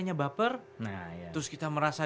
nyebaper terus kita merasa